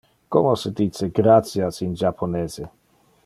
Como se dice "gratias" in japonese?